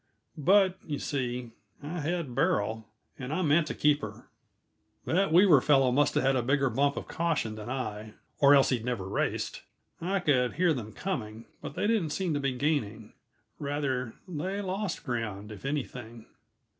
But, you see, I had Beryl and I meant to keep her. That Weaver fellow must have had a bigger bump of caution than I, or else he'd never raced. I could hear them coming, but they didn't seem to be gaining; rather, they lost ground, if anything.